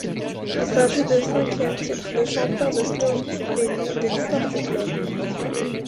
Il s'agit du cinquième titre de champion de Slovénie de l'histoire du club.